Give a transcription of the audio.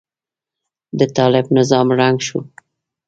د طالب نظام ړنګ شو.